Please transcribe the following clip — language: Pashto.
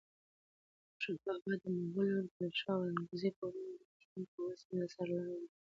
خوشحال بابا د مغول پادشاه اورنګزیب په وړاندې د پښتنو د مقاومت سرلاری و.